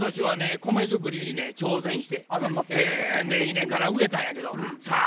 稲から植えたんやけどさあ